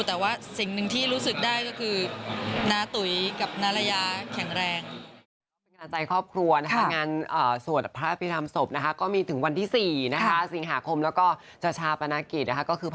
แต่ว่าสิ่งหนึ่งที่รู้สึกได้ก็คือ